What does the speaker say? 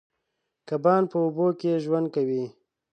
کبان په اوبو کې ژوند کوي.